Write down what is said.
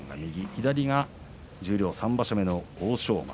左が十両３場所目の欧勝馬。